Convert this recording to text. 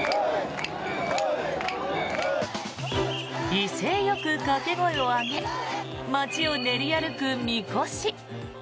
威勢よく掛け声を上げ街を練り歩くみこし。